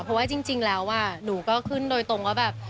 เพราะว่าจริงแล้วหนูก็ขึ้นโดยตรงว่าแบบ